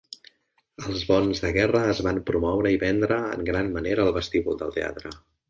Els bons de guerra es van promoure i vendre en gran manera al vestíbul del teatre.